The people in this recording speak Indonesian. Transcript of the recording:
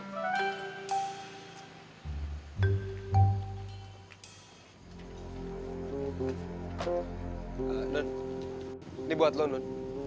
nen ini buat lo nen